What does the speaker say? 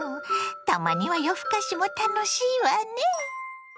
たまには夜ふかしも楽しいわね！